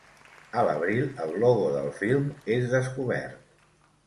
A l'abril, el logo del film és descobert.